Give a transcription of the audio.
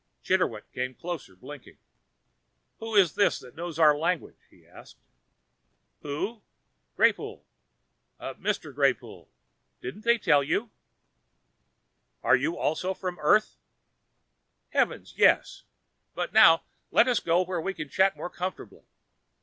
Mr. Chitterwick came closer, blinking. "Who is this that knows our language?" he asked. "Who Greypoole, Mr. Greypoole. Didn't they tell you?" "Then you are also from Earth?" "Heavens yes! But now, let us go where we can chat more comfortably."